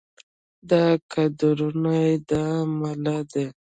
دا کدرونه دا يې مله دي